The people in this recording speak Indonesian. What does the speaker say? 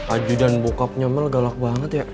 aju dan bokapnya mel galak banget ya